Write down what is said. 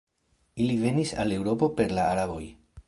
Ili venis al Eŭropo per la Araboj.